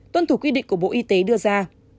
tuân thủ quy định của bộ y tế đưa ra